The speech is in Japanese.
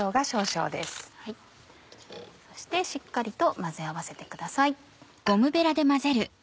そしてしっかりと混ぜ合わせてください。